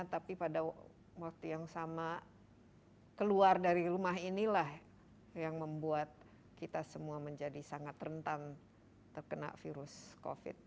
tapi pada waktu yang sama keluar dari rumah inilah yang membuat kita semua menjadi sangat rentan terkena virus covid